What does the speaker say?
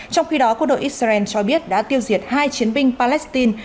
trong khi đó quân đội israel cho biết đã tiêu diệt hai chiến binh palestine